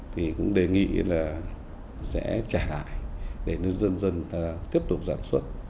thì cũng đề nghị là sẽ trả hại để nhân dân dân tiếp tục giảm xuất